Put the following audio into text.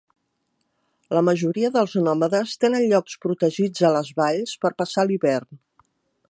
La majoria dels nòmades tenen llocs protegits a les valls per passar l'hivern.